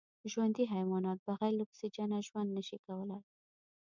ژوندي حیوانات بغیر له اکسېجنه ژوند نشي کولای